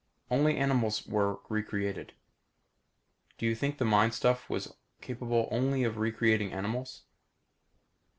"Only animals were recreated. Do you think the mind stuff was capable only of recreating animals?"